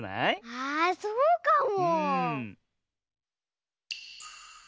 あそうかも！